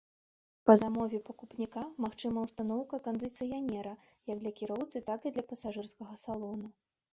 Па замове пакупніка магчыма ўстаноўка кандыцыянера, як для кіроўцы, так і пасажырскага салону.